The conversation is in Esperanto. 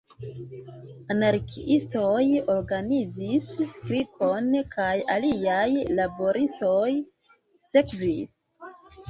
Anarkiistoj organizis strikon kaj aliaj laboristoj sekvis.